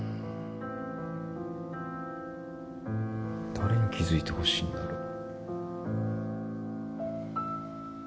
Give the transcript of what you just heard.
誰に気付いてほしいんだろう。